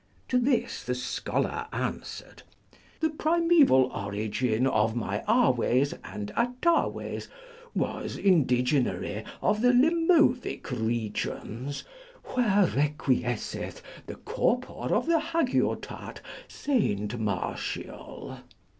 To this the scholar answered, The primeval origin of my aves and ataves was indigenary of the Lemovic regions, where requiesceth the corpor of the hagiotat St. Martial.